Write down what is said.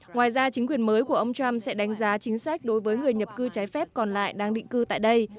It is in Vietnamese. ngoài ra chính quyền mới của ông trump sẽ đánh giá chính sách đối với người nhập cư trái phép còn lại đang định cư tại đây